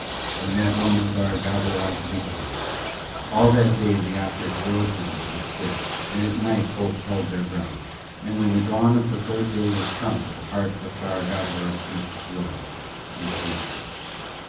From that moment Tharagavverug weakened. All that day Leothric drove him with his stick, and at night both held their ground; and when the dawn of the third day was come the heart of Tharagavverug beat slower and fainter.